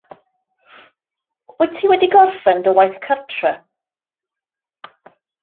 Wyt ti wedi gorffen dy waith cartref?